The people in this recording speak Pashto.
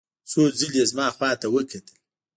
څو ځلې یې زما خواته وکتل.